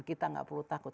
kita nggak perlu takut